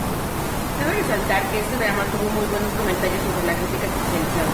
Cabe resaltar que este drama tuvo muy buenos comentarios entre la crítica especializada.